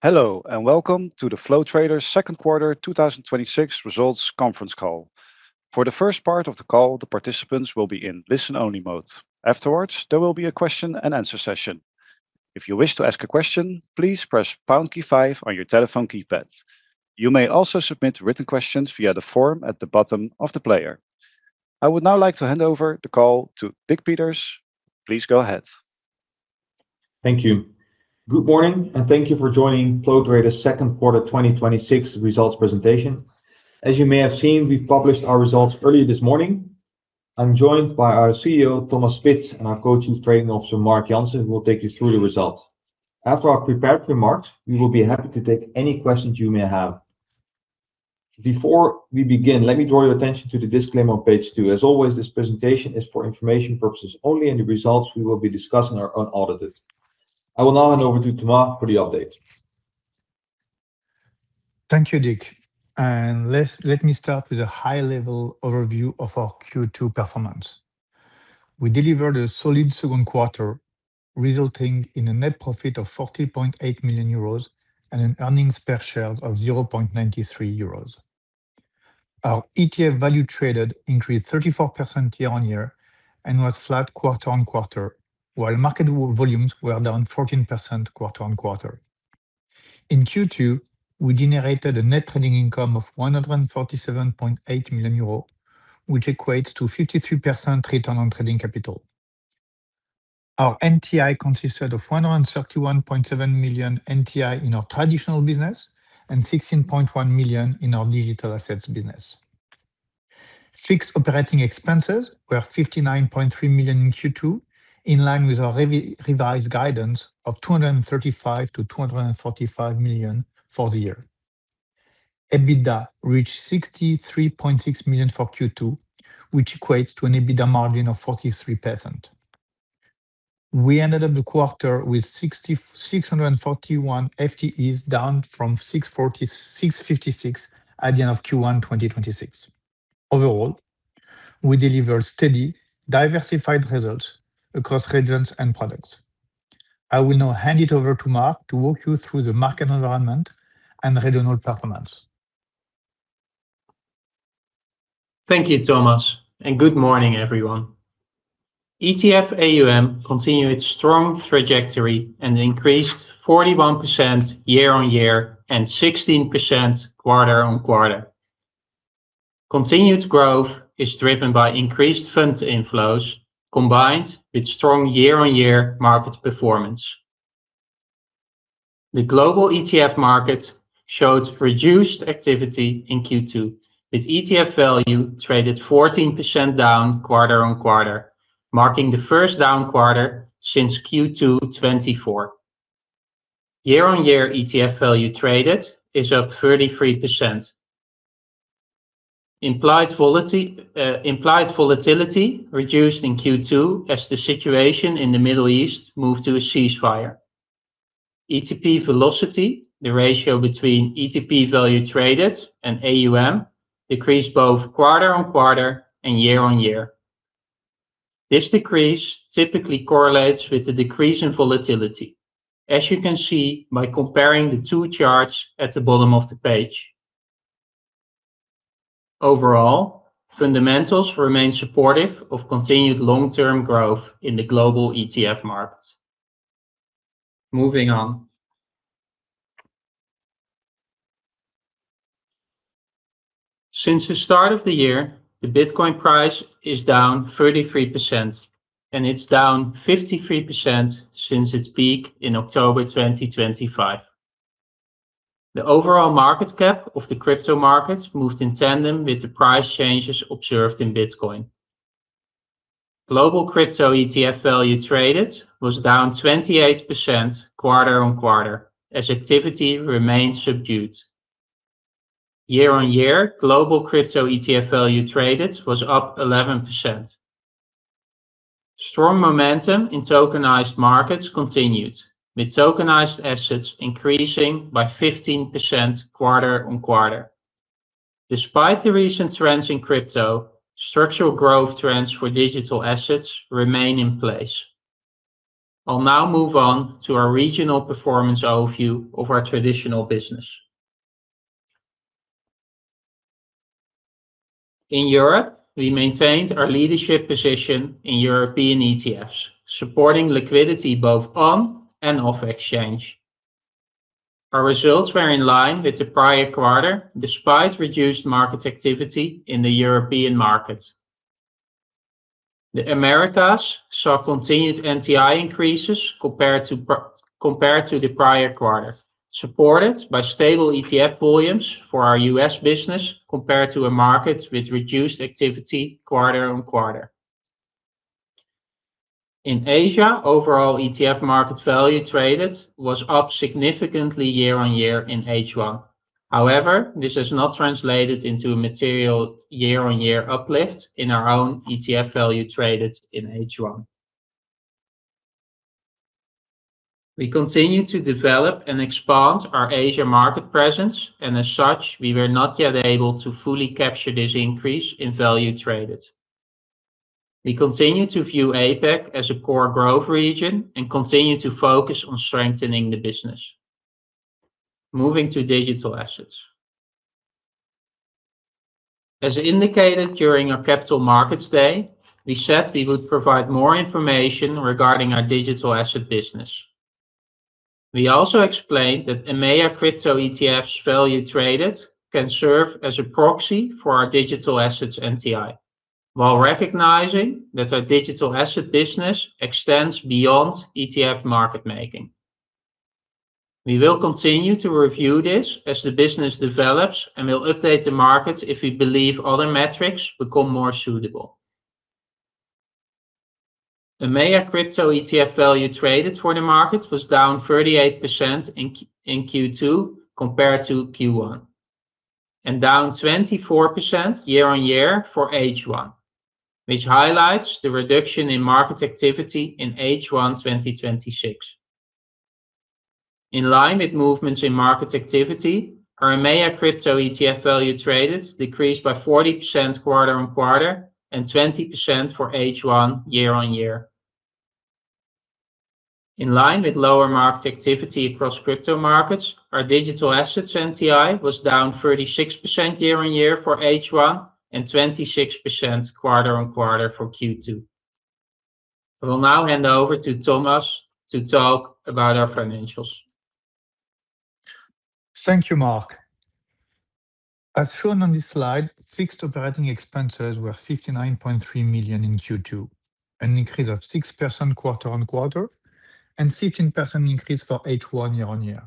Hello, welcome to the Flow Traders second quarter 2026 results conference call. For the first part of the call, the participants will be in listen-only mode. Afterwards, there will be a question-and-answer session. If you wish to ask a question, please press pound key five on your telephone keypad. You may also submit written questions via the form at the bottom of the player. I would now like to hand over the call to Dick Peters. Please go ahead. Thank you. Good morning, thank you for joining Flow Traders second quarter 2026 results presentation. As you may have seen, we've published our results earlier this morning. I'm joined by our CEO, Thomas Spitz, and our Co-Chief Trading Officer, Marc Jansen, who will take you through the results. After our prepared remarks, we will be happy to take any questions you may have. Before we begin, let me draw your attention to the disclaimer on page two. As always, this presentation is for information purposes only, and the results we will be discussing are unaudited. I will now hand over to Thomas for the update. Thank you, Dick. Let me start with a high-level overview of our Q2 performance. We delivered a solid second quarter, resulting in a net profit of 40.8 million euros and an earnings per share of 0.93 euros. Our ETF value traded increased 34% year-on-year and was flat quarter-on-quarter, while market volumes were down 14% quarter-on-quarter. In Q2, we generated a net trading income of 147.8 million euros, which equates to 53% return on trading capital. Our NTI consisted of 131.7 million NTI in our traditional business and 16.1 million in our digital assets business. Fixed operating expenses were 59.3 million in Q2, in line with our revised guidance of 235 million-245 million for the year. EBITDA reached 63.6 million for Q2, which equates to an EBITDA margin of 43%. We ended the quarter with 641 FTEs, down from 656 at the end of Q1 2026. Overall, we delivered steady, diversified results across regions and products. I will now hand it over to Marc to walk you through the market environment and regional performance. Thank you, Thomas, and good morning, everyone. ETF AUM continued its strong trajectory and increased 41% year-on-year and 16% quarter-on-quarter. Continued growth is driven by increased fund inflows combined with strong year-on-year market performance. The global ETF market showed reduced activity in Q2, with ETF value traded 14% down quarter-on-quarter, marking the first down quarter since Q2 2024. Year-on-year ETF value traded is up 33%. Implied volatility reduced in Q2 as the situation in the Middle East moved to a ceasefire. ETP velocity, the ratio between ETP value traded and AUM, decreased both quarter-on-quarter and year-on-year. This decrease typically correlates with a decrease in volatility, as you can see by comparing the two charts at the bottom of the page. Overall, fundamentals remain supportive of continued long-term growth in the global ETF market. Moving on. Since the start of the year, the Bitcoin price is down 33%, and it's down 53% since its peak in October 2025. The overall market cap of the crypto market moved in tandem with the price changes observed in Bitcoin. Global crypto ETF value traded was down 28% quarter-on-quarter as activity remained subdued. Year-on-year global crypto ETF value traded was up 11%. Strong momentum in tokenized markets continued, with tokenized assets increasing by 15% quarter-on-quarter. Despite the recent trends in crypto, structural growth trends for digital assets remain in place. I'll now move on to our regional performance overview of our traditional business. In Europe, we maintained our leadership position in European ETFs, supporting liquidity both on and off exchange. Our results were in line with the prior quarter, despite reduced market activity in the European market. The Americas saw continued NTI increases compared to the prior quarter, supported by stable ETF volumes for our U.S. business compared to a market with reduced activity quarter-on-quarter. In Asia, overall ETF market value traded was up significantly year-on-year in H1. However, this has not translated into a material year-on-year uplift in our own ETF value traded in H1. We continue to develop and expand our Asia market presence, and as such, we were not yet able to fully capture this increase in value traded. We continue to view APAC as a core growth region and continue to focus on strengthening the business. Moving to digital assets. As indicated during our Capital Markets Day, we said we would provide more information regarding our digital asset business. We also explained that EMEA crypto ETFs value traded can serve as a proxy for our digital assets NTI, while recognizing that our digital asset business extends beyond ETF market making. We will continue to review this as the business develops, and we'll update the markets if we believe other metrics become more suitable. EMEA crypto ETF value traded for the market was down 38% in Q2 compared to Q1, and down 24% year-on-year for H1, which highlights the reduction in market activity in H1 2026. In line with movements in market activity, our EMEA crypto ETF value traded decreased by 40% quarter-on-quarter and 20% for H1 year-on-year. In line with lower market activity across crypto markets, our digital assets NTI was down 36% year-on-year for H1 and 26% quarter-on-quarter for Q2. I will now hand over to Thomas to talk about our financials. Thank you, Marc. As shown on this slide, fixed operating expenses were 59.3 million in Q2, an increase of 6% quarter-on-quarter, and 15% increase for H1 year-on-year.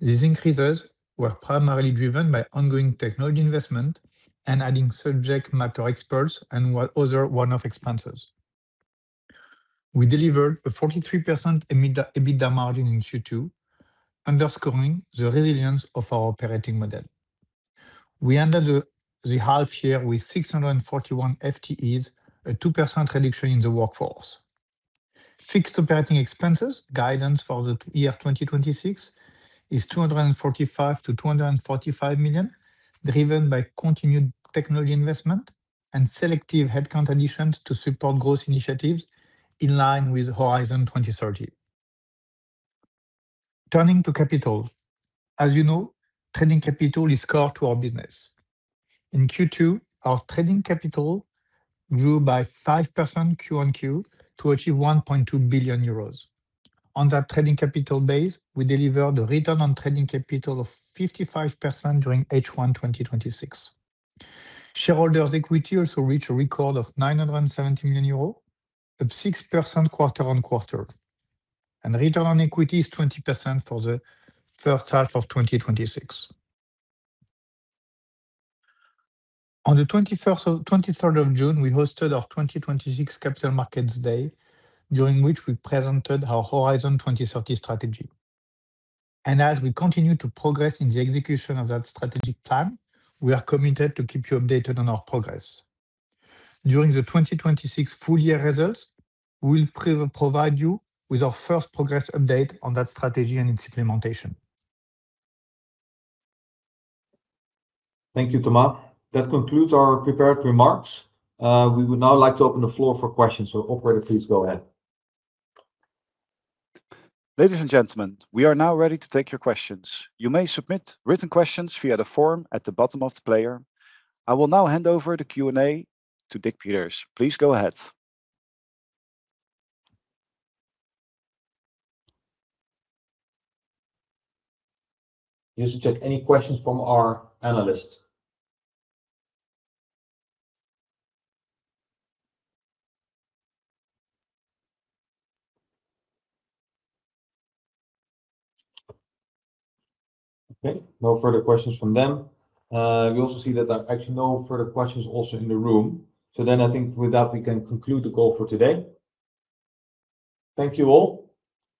These increases were primarily driven by ongoing technology investment and adding subject matter experts and other one-off expenses. We delivered a 43% EBITDA margin in Q2, underscoring the resilience of our operating model. We ended the half year with 641 FTEs, a 2% reduction in the workforce. Fixed operating expenses guidance for the year 2026 is 235 million-245 million, driven by continued technology investment and selective headcount additions to support growth initiatives in line with Horizon 2030. Turning to capital. As you know, trading capital is core to our business. In Q2, our trading capital grew by 5% Q-on-Q to achieve 1.2 billion euros. On that trading capital base, we delivered a return on trading capital of 55% during H1 2026. Shareholders' equity also reached a record of 970 million euros, up 6% quarter-on-quarter, and return on equity is 20% for the first half of 2026. On June 23rd, we hosted our 2026 Capital Markets Day, during which we presented our Horizon 2030 strategy. As we continue to progress in the execution of that strategic plan, we are committed to keep you updated on our progress. During the 2026 full year results, we'll provide you with our first progress update on that strategy and its implementation. Thank you, Thomas. That concludes our prepared remarks. We would now like to open the floor for questions. Operator, please go ahead. Ladies and gentlemen, we are now ready to take your questions. You may submit written questions via the form at the bottom of the player. I will now hand over the Q&A to Dick Peters. Please go ahead. You should check any questions from our analysts. Okay, no further questions from them. We also see that there are actually no further questions also in the room. I think with that we can conclude the call for today. Thank you all.